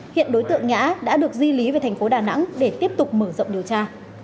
hiện đối tượng nhã đã được di lý về tp đà nẵng để tiếp tục mở rộng điều tra